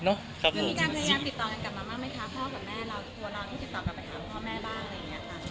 มีการพยายามติดต่อกันกับมาม่าไหมคะพ่อกับแม่เราหัวเราไม่ติดต่อกันกับพ่อแม่บ้างอะไรอย่างเงี้ยครับ